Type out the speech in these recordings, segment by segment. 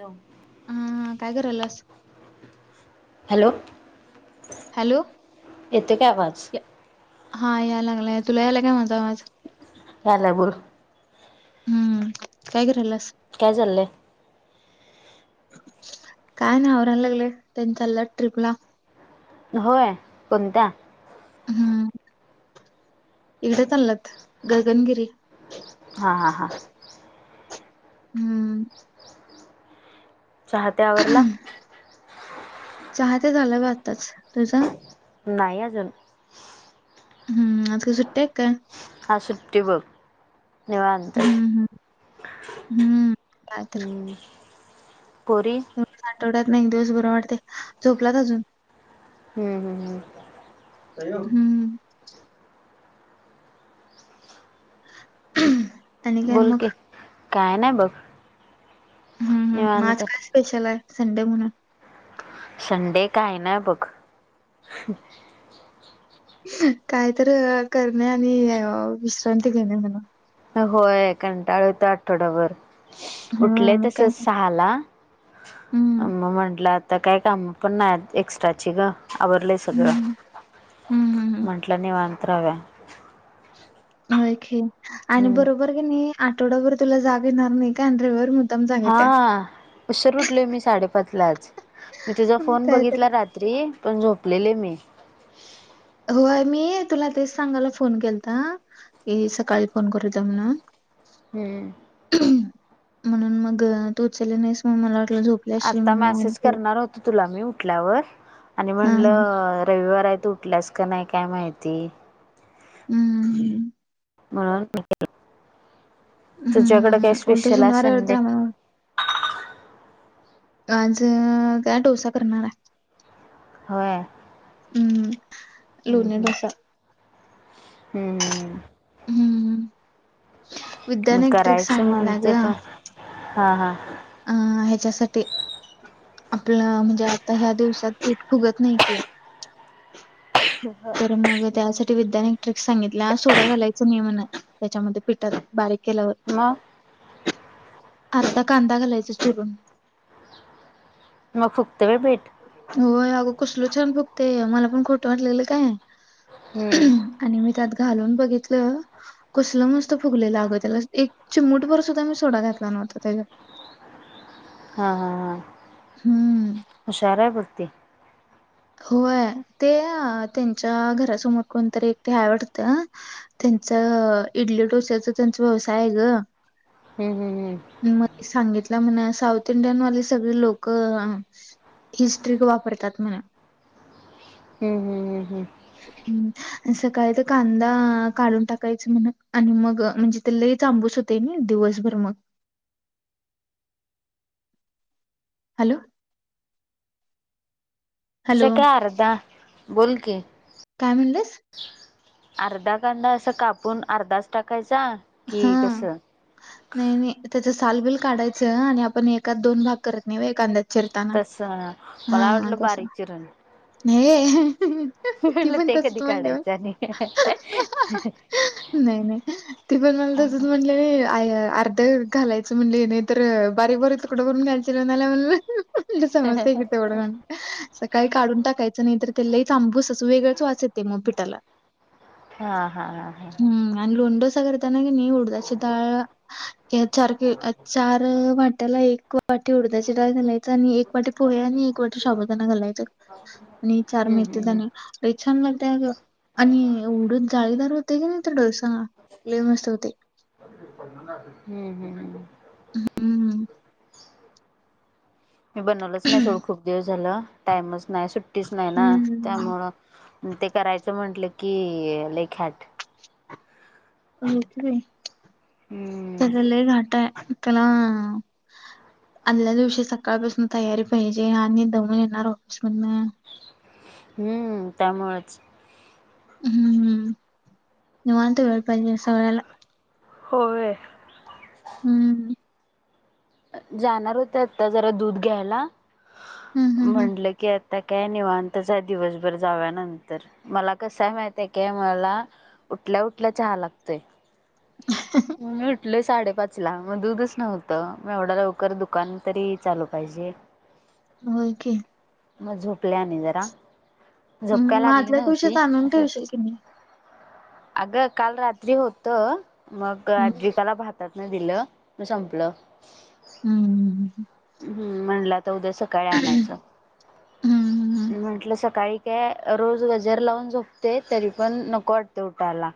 Hello. हा काय करायल्यास. हॅलो. हॅलो, येतो काय आवाज हा याय लागलाय तुला यायला काय माझा आवाज? यायला बोल. हम्म, काय करायल्यास? काय चाललंय? काय नाही आवरायला लागले त्यांनी चाललं ट्र्रीप ला होय कोणत्या? हम्म इकडे चाललंत गगनगिरी हा हा हा हम्म चाहत्यावरला चाहते झालं बा आत्ताच तुझं नाहीय अजून हम्म अक सुट्ट्याक हा सुट्टी बघ निवा अंत हम्म हम्म हम् हम्म काय तर परी आठवड्यात नाही दिवस बर वाटते झोपलात अजून हम्म हम् हम् त आणि काय मग बोलकी काय नाही बघ? हम् हम मग निवांत आज काय स्पेशल आहे संडे म्हणून संडे काय ना बघ काय तर करणे आणि विश्रांती घेणे म्हण होय कंटाळ यत आठवड्याभर उठले हां, मग तस काय सहाला हं, म्हटला आता काही काम पण नाही एक्स्ट्राची ग आवरडलंय सगळं हं, हं, हं, हं. म्हटलं नि वत राव्या खे आणि हम्म बरोबर क नाही आठवडाभर तुला जाग येणार नाही कांड्रेवर हा उसर उठलोय मी साडेपाच लाच मी तुझा हं, फोन काहीतरी बघितला रा त्री पण झोपलेले मी होय मी तुला तेच सांगायला फोन केला तर ये सकाळी फोन करतम ना हम्म म्हणून मग तोचले नाहीस मग मला वाटलं झोप आता मॅसेज करणार होत तुला मी उठल्यावर आणि हां, हां. म्हणलं रविवार आहेत. कटल्यास का नाही काय माहिती हम्म हम. म्हणून हं, तुझ्याकडं काय हं. उलट स्पेशल आहे शनिवार रविवार तर संडे आम्हाला आज काय डोसा करणार आहे हो हम् हं, लोणी हम्म. डोसा. हम्म हम्म. हम्म. मी विज्ञानिक ट्रिक करायचं सांगितलं म्हणते ग पण हा हा अ ह्याच्यासाठी आपलं म्हणजे आता ह्या दिवसात पीठ फुगत नाही की हम्. तर मग त्यासाठी विद्याानिक ट्रिक सांगितल्या सोडा घायं नियमन त्याच्यामध्ये पिठात बारीक केल्यावर मग आता कांदा घालायचा चिरून मग खूपत वेळ भेट होय अगं कुसल छान फगते मला पण खोटं वाटलेलं काय? हम्म आणि मी त्यात घालून बघितलं. कसलं मस्त फुगलेलंगं त्याला एक चिमूटभर सुद्धा मी सोडा घातला नव्हता त्याच्या हा हा हा. हम्म. हुशार हाय बघ ती. होय ते त्यांच्या घरासमोर कोणतरी एकते आहे आवडतं. त्यांच इडली डोसचा त्यांचा व्यवसाय आहे ग. हम् हम् हम. म ती सांगितलं म्हणा साऊथ इंडियन वाली सगळी लोक अ हिच ट्रीक वापरतात म्हण. हम्म हम्म हम्म हम्म हम्म. सकाळी तर कांदा काढून टाकायच म्हण आणि मग म्हणजे ते लयच आंबूस हो तेनी दिवसभर मग. हॅलो. हॅलो आमच्या काय अर्ध बोल की. काय म्हणलंस अर्धा कांदा अस कापून अर्धाच टाकायचा हा कि कस. नाही नाही त्याच सालबिल काढायचं आणि आपण एक एकात दोन भाग करत नाही व्हय एकांद्यात चिरताना तस मला हा वाटलं तस. बारीक चिरून हे. ती म्हटलं पण ते कधी तसच म्हणल्या व्हय काढायचं आणि नाही नाही. ती पण मला तसच म्हणली म्हटले नाही अर्ध घालायचं म्हणले नाही तरर बारीक बारीक तुकडं करुन घालचीला मला म्हणाला. म्हणलं समजतंय की तेवढ. सकाळी काढून टाकायचं नाही तर ते लईच आंबूस असं वेगळंच वास येतंय मग पिठाला. हा हा हा हा हा. लोंडो सगर. त्यांना की नाही उडदाची डाळ या चार की या चार वाट्याला एक वाटी वाटी उडची डाळ घालायचा आणि एक वाटी पोहे आणि एक वाटी शाबूदाणा घालायचं आणि चार हम्म मेधी हम्म दाणे. लय छान लागते आग आणि उडच जाळीदार होते की नाही तर डोसा. लय मस्त होतय. हम्म हम्म. हम्म. मी बनवलंच नाही सोड खूप दिवस झालं टाइमच नाही सुट्टीच नाही ना हम्म. त्यामुळं. ते करायचं म्हटलं की लय ख्यट. हो की बाई हम्म त्याला लय घाट आहे त्याला आदल्ल्या दिवशी सकाळपासून तयारी पाहिजे आणि दमुन येणार ऑफिस मधन. हम्म त्यामुळेच. हम्म हम्म निवांत वेळ पाहिजे ह्या सगळ्याला. होय. हम्म. जाणार होत आता जरा दूध घ्यायला हम्म हम्म हम्म. म्हटलं की आ त्या काय निवांतच आहे दिवसभर जावया नंतर मला कसय माहिती आहे काय मला उठल्या उठल्या चहा लागतय. ह. मि ऊटलोय साडेपाच ला मग दूधच नव्हतं म एवढं लवकर दुकान तरी चालू पाहिजे. होय की. मग झोपल्या आणि जरा झोपकाय हम्म मग लागली आदल्या नव्हती दिवशीच आणून असंच ठेवशील की नाही. अगं काल रात्री होत मग हम्म. आजी त्याला म्हणतात न दिलं मग संपलं. हम्म. हम्म. हम् म्हणलं आता उद्या सकाळी आणायचं. हम्म, हम्म. म्हटलं सकाळी काय रोज गजर लावून झोपते तरी पण नको वाटते उठायला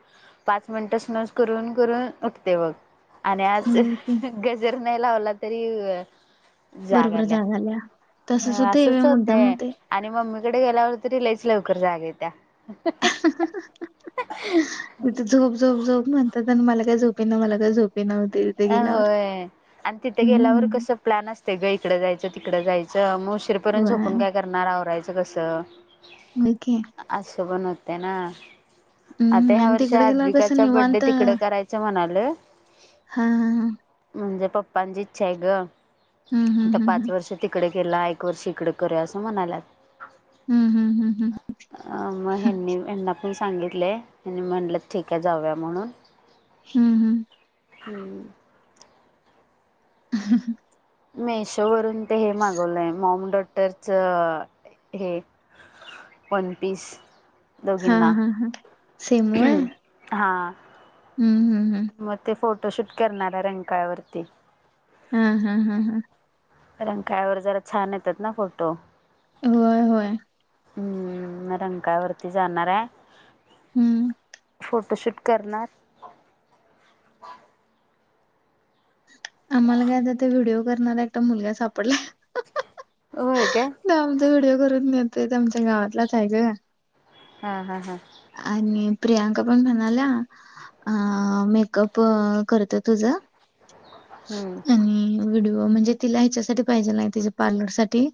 पाच मिनिटस नसली करून करून उठते बघ [unintelligible] आणि आज होय की. गजर नाही लावला तरी बरोबर जाग आल्या तसच हो ते ए असंच मुद्दाम होतय होते आणि मम्मीकडे गेल्यावर तरी लईच लवकर जाग येत्या. तिथे झोप झोप झोप म्हणतात आणि मला काय झोपे ना मला काय झोप अ होय, आणि तिथे गेल्यावर हम्म. कसं प्लॅन असत. ते ग इकडं जायचं तिकडं जायचं मग उशीरपर्यंत व्हय झोपून काय करणार आवरायचं कसं खे [unintelligible] अस पन होते ना. आता हम्म ह्या आणि वर्षी तिकडे गेल्यावर कसं आद्विकाचा बडे निवांत तिकड करायचं म्हणा लोय हा, हा, हा, म्हणजे पप्पांची इच्छा आहे ग हं हं आता हं पाच हं. वर्ष तिकडे केला एकक वर् श इकडे करे असं म्हणालात. हम्, हम्म, हम्, हम्, ह- मग ह्यांनी त्यांना पण सांगितले ह्यांनी म्हटलं ठीक आहे जाऊया म्हणून हम्, हम्म, खणी [unintelligible] ह [unintelligible] मेशो वरून ते हे मागवलंय मॉमडट बटरचं हे वन पीस [unintelligible] हा, दोघींना हा, हा, सेम व्हय- हां. हम्, हम मग ते फोटोशूट करणार आहे रंकाळवरती. हम हम हम हम रंकाळ्यावर जरा छान येतात ना फोटो. होय, होय हम, म रंकाळ्यावरती जाणार आहे. हम्म. फोटोशूट करणार आम्हाला काय आता ते व्हिडिओ करणार एक मुलगा सापडला. होय का? आमचा व्हिडिओ करून नेत आमच्या गावातच आहे का हम, हम, हम आणि प्रियांका पण म्हणाल्या अ मेकअप करत तुझं. हम्म, आणि व्हिडिओ, म्हणजे तिला ह्यासाठी पाहिेजे तिच्या पार्लर साठी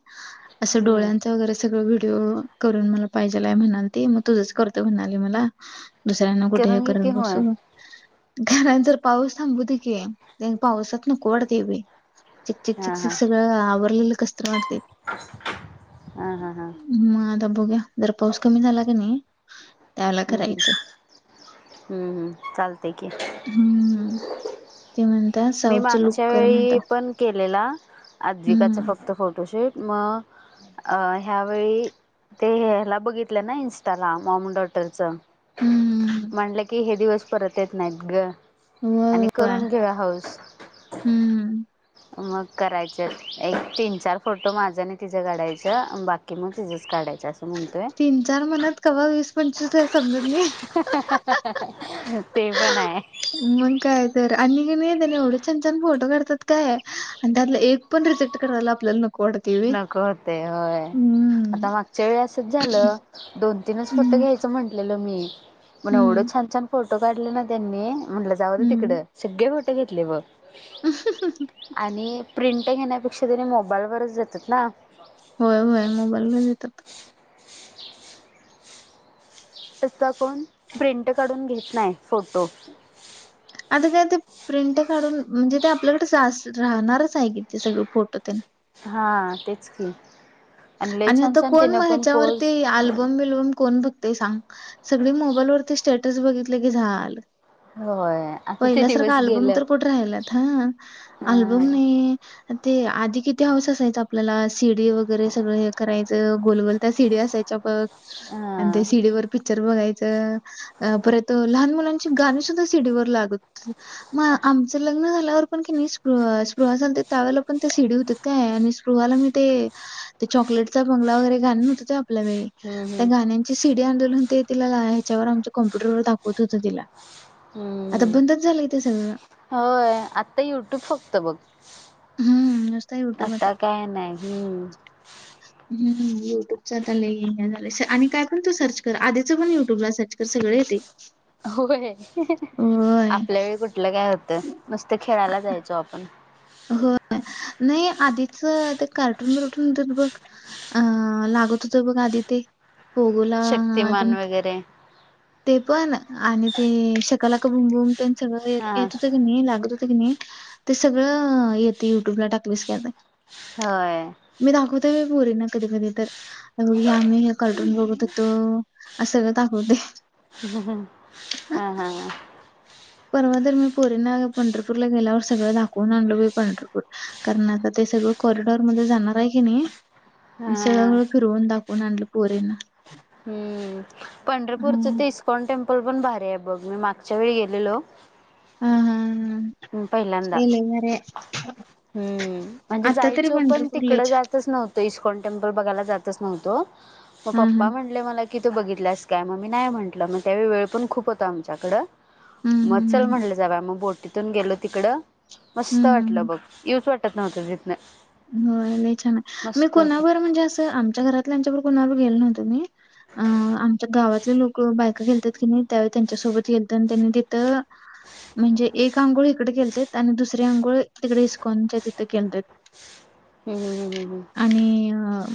अस डोळा हम्म. वगैरे सगळं व्हिडिओ करून मला पाहिजेलाय म्हणाली त मग तुझंच करत म्हणाली मला दुसऱ्यांना कुठे हे करून घे की करत बसू होय घर जर पाऊस थांबू दे की. नन पावसात नको वाटतं बाई चिक चिक हा चिक चिक सगळ आवरलेलं कस्तरी वाटतय. ह, ह, ह, म आता बघुया, जर पाऊस कमी झाला की नाही? त्यावेळेला हम्म, हम्, करायचं. हम्म, हम्म, चालतं. हम्म. ते म्हणतात मी साऊथचं लुक मागच्या कर वेळी म्हणतात. पण केलेला आद्विकाचा हम्म. फक्त फोटोशूट मग अ ह्यावेळी ते ह्याला बघितलं ना इन्स्टाला मोमडॉट हम्म. म्हटलं की हे दिवस परत येत नाहीत ग. होय आणि होय. करून घेऊया हाऊस. हम्म मग करायचं एक तीन चार फोटो माझं आणि तिझं काढायचं बाकी मग तिझंच काढायचं असतं. तीन चार मनात क वीस पंचवीस समजत नाही. ते पण आहे. मग काय तर आणि की नाही येत ना एवढं छान छान फोटो काढतात काय आणि त्यातलं एक पण रिजेक्ट कराला आपल्याला नको वाटते व्हय. नको होते होय आता हम्म. मग वेळ असच झालं दोन तीनच फोटो हं, घ्यायचं म्हंटलेलं मी म्हण एवढं हं, छान छान फोट फोटो काढले ना त्यांनी म्हंटलं जाऊत तिकडं सगळे फोटो घेतले ब. अ [unintelligible] आणि प्रिंटंग येण्यापेक्षा त्यांनी मोबाईलवरच जातात ना. होय होय मोबाईलला येतात. तचा कोण प्रिंट काढून घेत नाही फोटो. अ का ते प्रिंट काढून म्हणजे ते आपल्याकडे राहणारच आहे की ते सगळ फोटो हा तेच की आणि लई छान छान तिनं पण पोच ण ब सांग सग मोबाईल वती स्टट बघित की झा होय आता ते दिवस गेलं. राहिलात ह अल्बम हा नाही ते आधी किती हाऊस असायच आपल्याला सीडी वगैरे वगैरे सगळं हे करायचं गोलगोल त्या सीडी असायच्या बघ. हम् आणि ते सीडी व पिक्चर बघायचं. अ परत लहान मुलांची गाणी सुद्धा सिडीवर लागत. मग आमचं लग्न झाल्यावर पण कि नाही स् स्पृ झाल त्यावेळेला पण ते सिडी होत. काय आणि स्पृहाला मी ते ते चॉकलेटचा बंगला वगैरे घाल नव्हता ते आपल्या वेळी हम्म त्या हम्म गाण्यांची सीडी आंदोलून ते तिला ह्याच्यावर आमच्या कम्प्युटरवर दाखवत होत तिला. आता हम्म. बंदच झालं इथे सगळं होय आता युट्यूब फक्त बघ हम्म, नुसता आता काय नाही. [inaudible] हम्म युट्यूबचा आले झाले आणि काय पण तू सर्च कर आधीच पण युट्यूबला सर्च कर सगळे येत. होय आपल्या वेळी कुठलं काय होतं मस्त खेळायला जायचो आपण. हो नाही आधीच ते कार्टून बरटून होत बघ अ लागत होत बघ आधी ते पोगोला शक्तिमान वगैरे ते पण आणि ते सकाला क बुमबम त्यां सगळं हा येत होतं की नाही लागत हो. की नाही ते सगळं येते युट्यूब ला टाकलेस की आता. होय. मी दाखवतेी परी ना कधी कधी तर बघ आम्ही हे करटून बघत तो अस सगळं दाखवते. ह हा हा परवा तर मी पोरी ना पंरपूर ला गेल्यावर सगळं दाखवून आणलो बाई पंढरपूर कारण आता ते सगळं कॉरिडॉर म जाणार आहे की नाही हा सगळंगळं फिरवून दाखवून आणलं पोरेंना. हम्म पंढरपूरचं ते इस्कॉन टेम्पल पण भारी आहे बघ मी मागच्या वेळी गेलेलो. हा हा हम पहिल्यांदा लय भारी आहे. हम्म म्हणजे आता तरी जायचो पण पंढरपूर लय तिकडं छान जायचंच नव्हतं. त इस्कॉन टेम्पल बघायला जातच नव्हतो मग हा हा पप्पा म्हणले मला कि तो बघितलास काय मग मी नाही म्हटलं मग त्या वेळ पण खूप होत आमच्याकडं हम्म मग हम्म हम्म चल हम्म म्हंटलं जाव मग बोटीतून गेलो तिकडं. मस्त हम्म हम्म वाटलं बघ येूच वाटत नव्हतं जिथन हो ल छान आहे मी कोुणावर म्हणजे असं आमच्या घरातल्या आमच्यावर कोणावर गेलो नव्हतो मी अं आमच्या गावातले लोक बायक खेलतात की नाही त्यावेळी त्यांच्यासोबत येत आणि त्यांनी तिथं म्हणजे एक अंघोळ इकडे खेळतात आणि दुसरे आंोळ तिकडे इस्कॉनच्या तिथे खेळत हम् आणि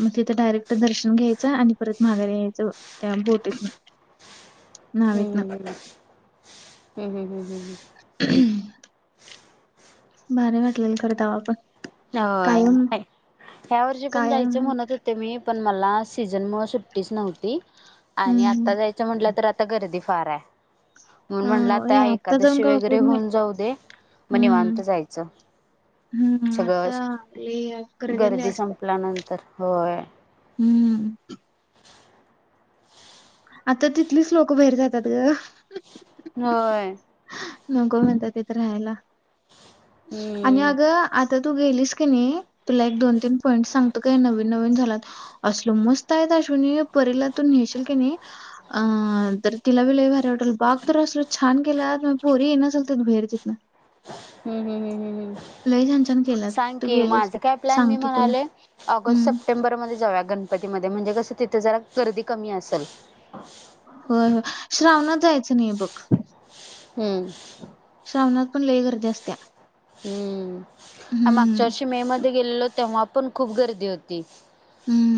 म डायरेक्ट दर्शन घ्यायचं आणि परत माघारी यायचं त्या बोटीत हम् ह हम् हम् ह् हम् हम्म भर वाटलेल खरंत आपण काय होय ऐक ह्या वर्षी पण जायचं म्हणत होते मी पण मला सीझन मुळ सुट्टीच नव्हती आणि हं. आता जायचं म्हटलं तर आता गर्दी फार आहे मण हं, म्हणलं आता व्हय आत्ता जाऊन एकादशी काय वगैरे उपयोग नाही. होऊन जाऊ दे मग निवांत जायचं हम्म सगळं आता आली गर्दी संपल्यानंतर होय हम्म आता तिथलीच लोकं बाहेर जातात ग होय नको म्हणत तिथं राहायला आणि हम्म अगं आता तू गेलीस की नाही तुला एक दोन तीन पॉईंट सांगत काय नवीन नवीन झालात असल मस्त आहे अश्वून पररीला तून ने्याशील की नाही अ तर तिला वि लई भारी वाटल बाग तर असलो छान गेला पोरी येना सलत भेर जितं हम् हम हम् हम् लय छान छान हम् केल्यात. सांग तू की माझ गेलीस काय प्लॅन मी सांगतो तुला. म्हणाले ऑगस्ट हं. सप्टेंबरमध्येध्ये जाऊ गणप ती म म्हणजे कसं तिथं जरा गर्दी कमी असेल होय हो श्रावणात जायचं नाही बघ हम्म श्रावणात पण ललेई करदी असत हम्म मागच्या वर्ष मे मध्ये गेलेलो तेव्हा पण खूप गर्दी होती हम्म